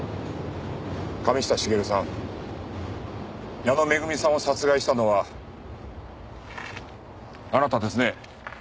神下茂さん矢野恵さんを殺害したのはあなたですね。